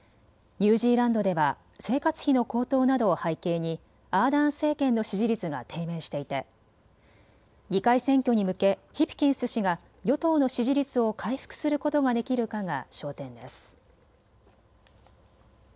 ニュージーランドでは生活費の高騰などを背景にアーダーン政権の支持率が低迷していて議会選挙に向けヒプキンス氏が与党の支持率を回復することができるかが焦点です。